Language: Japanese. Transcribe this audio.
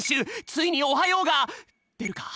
ついに「おはよう」がでるか？